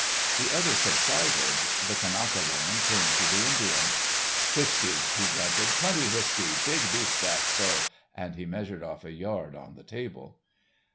The other subsided. The Kanaka woman turned to the Indian. "Whiskey," he grunted, "plenty whiskey, big beefsteak, soh," and he measured off a yard on the table.